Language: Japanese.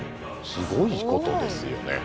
すごいことですよね。